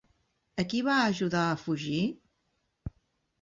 A qui va ajudar a fugir?